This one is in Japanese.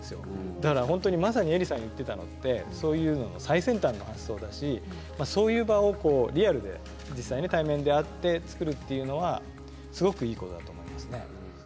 だから本当にまさにえりさん言ってたのってそういうのの最先端の発想だしそういう場をリアルで実際対面で会って作るっていうのはすごくいいことだと思いますね。